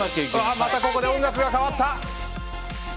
またここで音楽が変わった！